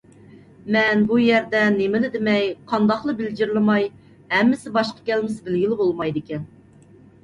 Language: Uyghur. مەن بۇ يەردە نېمىلا دېمەي، قانداقلا بىلجىرلىماي، ھەممىسى باشقا كەلمىسە بىلگىلى بولمايدىكەن.